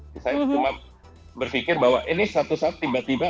dan saya cuma berpikir bahwa ini satu saat tiba tiba